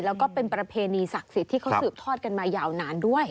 แล้วก็เป็นประเพณีศักดิ์สิทธิ์ที่เขาสืบทอดกันมายาวนานด้วย